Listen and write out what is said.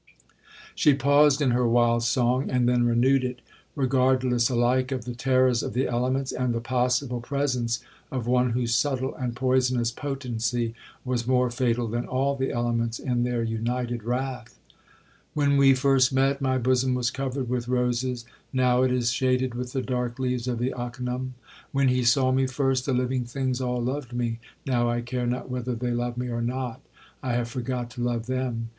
'She paused in her wild song, and then renewed it, regardless alike of the terrors of the elements, and the possible presence of one whose subtle and poisonous potency was more fatal than all the elements in their united wrath. 'When we first met, my bosom was covered with roses—now it is shaded with the dark leaves of the ocynum. When he saw me first, the living things all loved me—now I care not whether they love me or not—I have forgot to love them.